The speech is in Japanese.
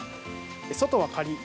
外はカリッ。